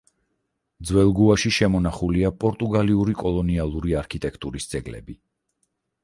ძველ გოაში შემონახულია პორტუგალიური კოლონიალური არქიტექტურის ძეგლები.